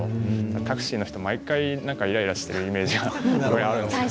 タクシーの人が毎回イライラしているイメージがあるんです。